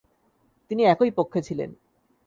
তিনি একই পক্ষে ছিলেন।